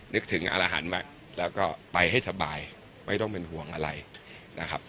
นึกถึงอาหารมากแล้วก็ไปให้สบายไม่ต้องเป็นห่วงอะไรนะครับ